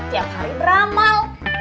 tiap hari beramal